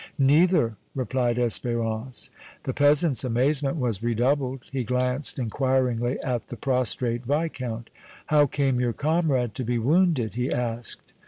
"Neither," replied Espérance. The peasant's amazement was redoubled. He glanced inquiringly at the prostrate Viscount. "How came your comrade to be wounded?" he asked.